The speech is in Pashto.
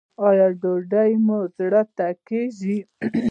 ایا ډوډۍ مو زړه ته کیږي؟